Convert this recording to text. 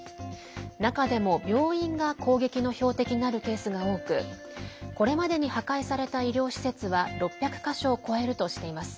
中でも病院が攻撃の標的になるケースが多くこれまでに破壊された医療施設は６００か所を超えるとしています。